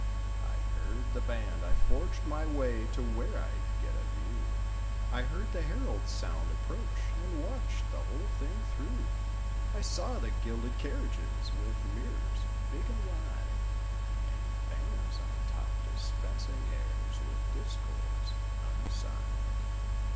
I heard the band; I forged my way To where Fd get a view; I heard the herald sound approach And watched the whole thing through. I saw the gilded carriages With mirrors—big and wide, And bands on top dispensing airs With discords on the side.